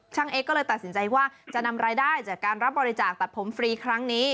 เอ๊ก็เลยตัดสินใจว่าจะนำรายได้จากการรับบริจาคตัดผมฟรีครั้งนี้